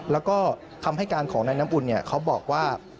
แล้วก็คำให้การของนายน้ำอุ่นเขาบอกว่า